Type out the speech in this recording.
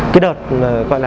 cái đợt gọi là